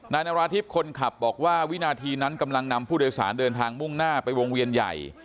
นาราธิบคนขับบอกว่าวินาทีนั้นกำลังนำผู้โดยสารเดินทางมุ่งหน้าไปวงเวียนใหญ่